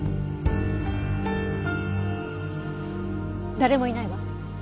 誰もいないわ。